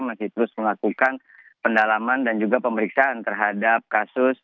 masih terus melakukan pendalaman dan juga pemeriksaan terhadap kasus